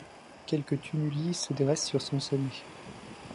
Quelques tumuli se dressent sur son sommet.